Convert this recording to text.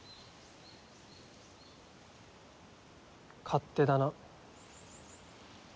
勝手だな。